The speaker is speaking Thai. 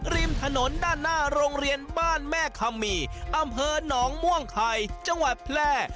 ริมถนนด้านหน้าโรงเรียนบ้านแม่คำมีอำเภอหนองม่วงไข่จังหวัดแพร่